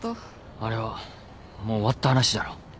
あれはもう終わった話だろ。